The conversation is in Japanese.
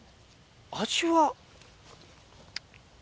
味は。